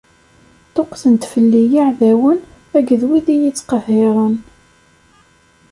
Ṭṭuqqten-d fell-i yiɛdawen akked wid i y-ittqehhiren.